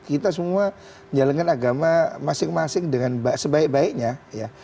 kita semua menjalankan agama masing masing dengan sebaik baiknya ya